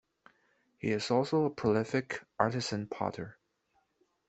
He is also a prolific artisan potter.